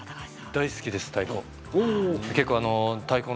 大好きです、太鼓。